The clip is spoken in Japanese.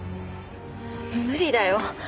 無理だよ。